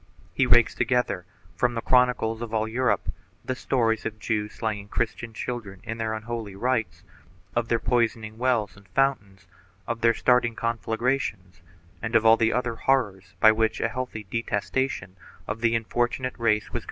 He rakes together, from the chronicles of all Europe, the stories of Jews slaying Christian children in their unholy rites, of their poisoning wells and fountains, of their starting conflagrations and of all the other horrors by which a healthy detestation of the unfortunate race was created and stimulated.